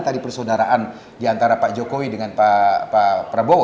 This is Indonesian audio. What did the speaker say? tadi persaudaraan diantara pak jokowi dengan pak prabowo